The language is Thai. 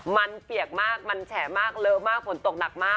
มันเปียกมากมันแฉะมากเลอะมากฝนตกหนักมาก